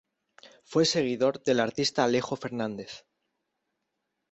Fue seguidor del artista Alejo Fernández.